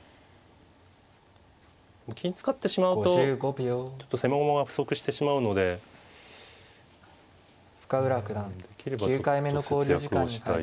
金使ってしまうとちょっと攻め駒が不足してしまうのでできればちょっと節約をしたいですよね。